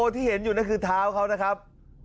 ที่เห็นก็คือเท้าของเค้านะครับ